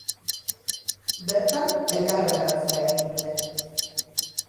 Bertan, elkarretaratzea egin dute.